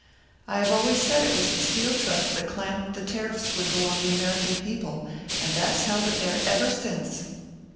I have always said it was the Steel Trust that clamped the tariff swindle on the American people, and that's held it there ever since."